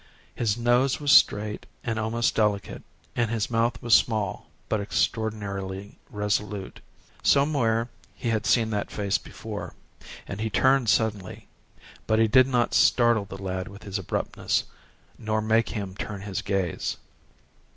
His nose was straight and almost delicate and his mouth was small, but extraordinarily resolute. Somewhere he had seen that face before, and he turned suddenly, but he did not startle the lad with his abruptness, nor make him turn his gaze.